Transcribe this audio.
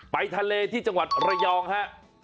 ไปทะเลที่จังหวัดระยองฮะ